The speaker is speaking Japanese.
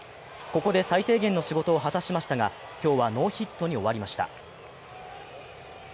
ここで最低限の仕事を果たしましたが、今日はノーヒットに終わりました。